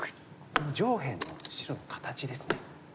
この上辺の白の形ですね。